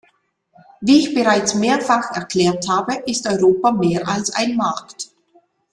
Wie ich bereits mehrfach erklärt habe, ist Europa mehr als ein Markt.